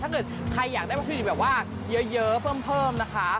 ถ้าเกิดใครอยากได้วัตถุดิบแบบว่าเยอะเพิ่มนะคะ